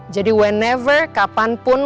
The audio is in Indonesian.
jadi whenever kapanpun